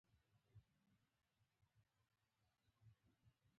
په شیطانیه تر شیطانه تېرې دي